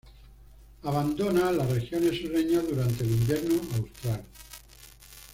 Abandona las regiones sureñas durante el invierno austral.